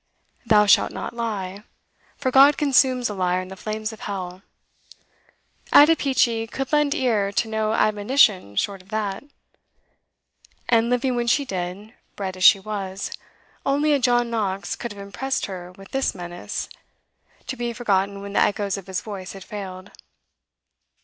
Thou shalt not lie for God consumes a liar in the flames of hell! Ada Peachey could lend ear to no admonition short of that. And, living when she did, bred as she was, only a John Knox could have impressed her with this menace to be forgotten when the echoes of his voice had failed.